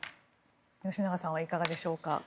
吉永さんはいかがでしょうか。